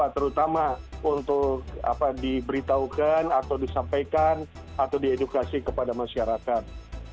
terutama untuk diberitahukan atau disampaikan atau diedukasi kepada masyarakat